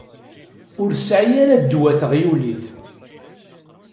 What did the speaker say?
Ur tesεi ara ddwa teɣyulit.